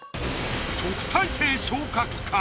特待生昇格か？